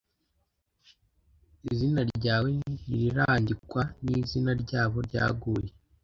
Izina ryawe ntirirandikwa nizina ryabo ryaguye,